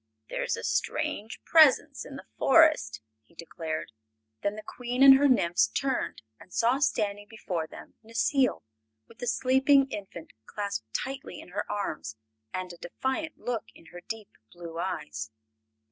"There is a strange presence in the Forest," he declared. Then the Queen and her nymphs turned and saw standing before them Necile, with the sleeping infant clasped tightly in her arms and a defiant look in her deep blue eyes.